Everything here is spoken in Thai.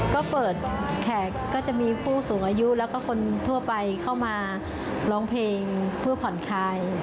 ก็เปิดแขกก็จะมีผู้สูงอายุแล้วก็คนทั่วไปเข้ามาร้องเพลงเพื่อผ่อนคลาย